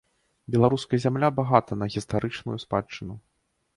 Беларуская зямля багата на гістарычную спадчыну.